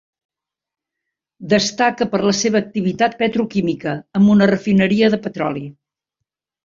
Destaca per la seva activitat petroquímica, amb una refineria de petroli.